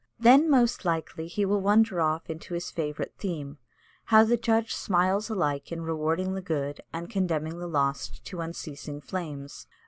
Then most likely he will wander off into his favourite theme how the Judge smiles alike in rewarding the good and condemning the lost to unceasing flames.